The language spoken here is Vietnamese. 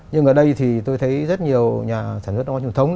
nhưng ở đây thì tôi thấy rất nhiều nhà sản xuất ngón truyền thống